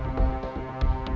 ya ada tiga orang